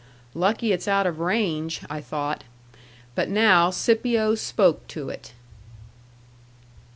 "Lucky it's out of range," I thought. But now Scipio spoke to it.